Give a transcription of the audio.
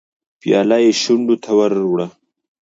پياله يې شونډو ته ور وړه.